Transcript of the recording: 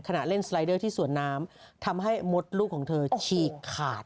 ขณะเล่นสไลเดอร์ที่สวนน้ำทำให้มดลูกของเธอฉีกขาด